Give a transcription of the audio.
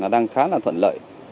đang khá là thuận lợi